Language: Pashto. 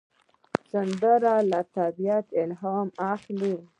سندره له طبیعت الهام اخلي